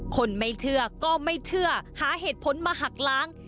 คนไม่เชื่อก็ไม่เชื่อหาเหตุผลมาหักล้าง